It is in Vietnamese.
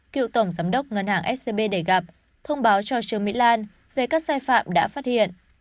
cựu tổng giám đốc ngân hàng scb đề gặp thông báo cho trương mỹ lan về các sai phạm đã phát hiện